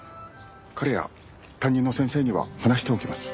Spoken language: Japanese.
彼や担任の先生には話しておきます。